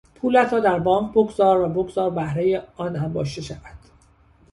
پولت را در بانک بگذار و بگذار بهرهی آن انباشته شود.